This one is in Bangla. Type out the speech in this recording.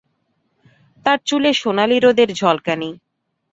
তার চুলে সোনালি রোদের ঝলকানি।